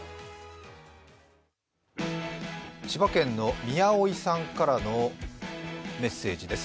千葉県のみやおいさんからのメッセージです。